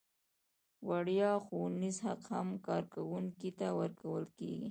وړیا ښوونیز حق هم کارکوونکي ته ورکول کیږي.